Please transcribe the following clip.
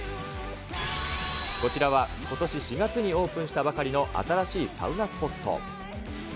こちらはことし４月にオープンしたばかりの新しいサウナスポット。